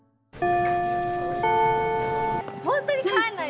本当に帰んないで！